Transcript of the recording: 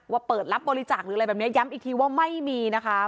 เปิดรับบริจาคหรืออะไรแบบนี้ย้ำอีกทีว่าไม่มีนะคะ